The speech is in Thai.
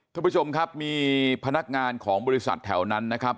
คุณผู้ชมครับมีพนักงานของบริษัทแถวนั้นนะครับ